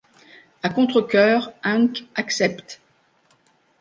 À contrecœur, Hank accepte.